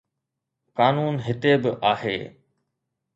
قانون هتي به آهي.